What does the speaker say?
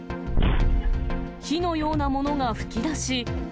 火のようなものが噴き出し。